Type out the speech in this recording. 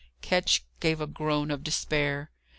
Ketch gave a groan of despair.